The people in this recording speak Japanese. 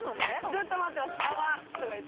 ずっと待ってます。